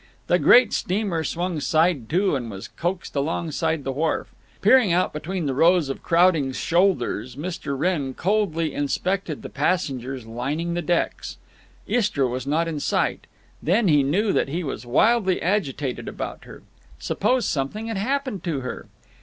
The great steamer swung side to and was coaxed alongside the wharf. Peering out between rows of crowding shoulders, Mr. Wrenn coldly inspected the passengers lining the decks. Istra was not in sight. Then he knew that he was wildly agitated about her. Suppose something had happened to her!